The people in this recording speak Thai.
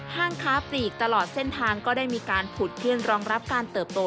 ห้างค้าปลีกตลอดเส้นทางก็ได้ผุดเพื่อนรองรับการเติบโต